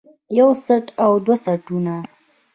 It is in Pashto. يو څټ او دوه څټونه